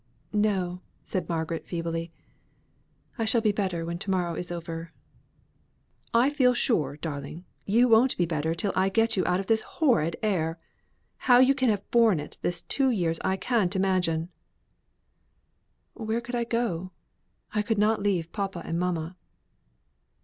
"No!" said Margaret feebly. "I shall be better when to morrow is over." "I feel sure, darling, you won't be better till I get you out of this horrid air. How you can have borne it these two years I can't imagine." "Where could I go to? I could not leave papa and mamma."